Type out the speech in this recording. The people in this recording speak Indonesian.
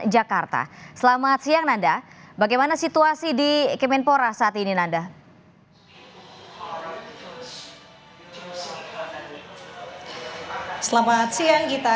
jakarta selamat siang nada bagaimana situasi di kemenpora saat ini nada selamat siang kita